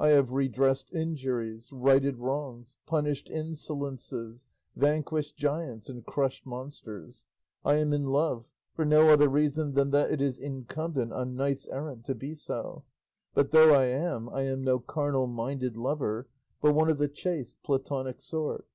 I have redressed injuries, righted wrongs, punished insolences, vanquished giants, and crushed monsters; I am in love, for no other reason than that it is incumbent on knights errant to be so; but though I am, I am no carnal minded lover, but one of the chaste, platonic sort.